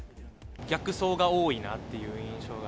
逆走が多いなっていう印象が。